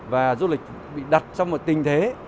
và du lịch bị đặt trong một tình thế